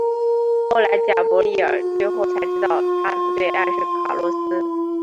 后来贾柏莉儿最后才知道她的最爱是卡洛斯。